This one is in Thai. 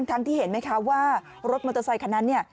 ทั้งที่เห็นไหมคะว่ารถมอเตอร์ไซคันนั้นเนี่ย